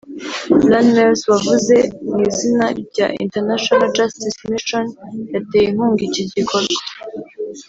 Lan Mears wavuze mu izina rya International Justice Mission yateye inkunga iki gikorwa